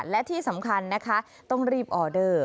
และที่สำคัญนะคะต้องรีบออเดอร์